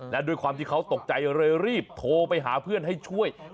และด้วยความที่เขาตกใจเลยรีบโทรไปหาเพื่อนให้ช่วย